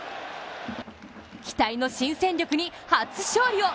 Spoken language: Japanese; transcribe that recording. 期待の新戦力に初勝利を。